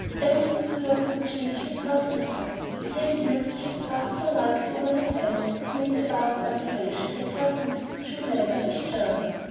Everything to her seemed changed and quite different. The ten years which had passed so lightly over her head had made a vast alteration in the cousins whom she remembered as children.